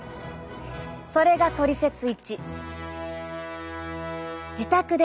それがトリセツ１。